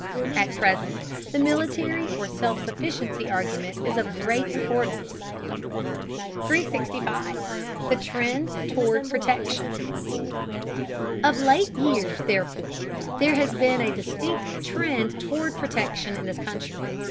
At present the military or self sufficiency argument is of great importance. 365. THE TREND TOWARD PROTECTION. Of late years, therefore, there has been a distinct trend toward protection in this country.